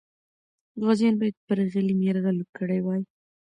غازیان باید پر غلیم یرغل کړی وای.